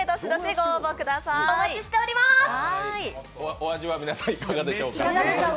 お味は皆さんいかがでしょうか。